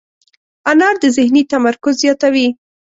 انار د ذهني تمرکز زیاتوي.